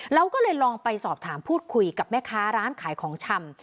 เราก็เลยลองไปสอบถามพูดคุยกับแม่ค้าร้านขายของชำ